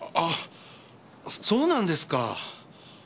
そうなんですか。